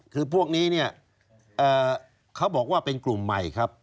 คือพวกนี้เนี่ยเขาบอกว่าเป็นกลุ่มใหม่ครับ